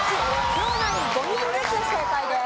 両ナイン５人ずつ正解です。